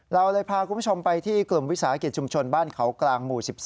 เราเลยพาคุณผู้ชมไปที่กลุ่มวิสาหกิจชุมชนบ้านเขากลางหมู่๑๒